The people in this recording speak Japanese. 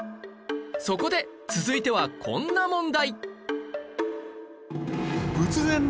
そこで続いてはこんな問題